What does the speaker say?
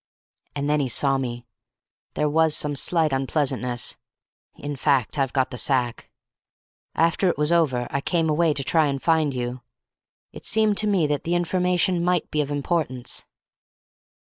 And then he saw me. There was some slight unpleasantness. In fact, I've got the sack. After it was over I came away to try and find you. It seemed to me that the information might be of importance."